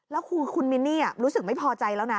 แล้วคือคุณมินนี่รู้สึกไม่พอใจแล้วนะ